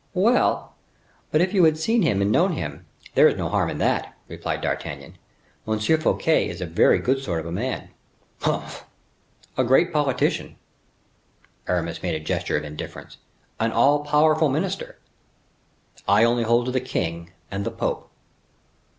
"Well, but if you had seen him and known him, there is no harm in that," replied D'Artagnan. "M. Fouquet is a very good sort of a man." "Humph!" "A great politician." Aramis made a gesture of indifference. "An all powerful minister." "I only hold to the king and the pope."